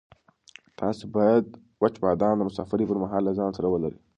تاسو باید وچ بادام د مسافرۍ پر مهال له ځان سره ولرئ.